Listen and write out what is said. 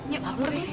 yuk yuk lalu deh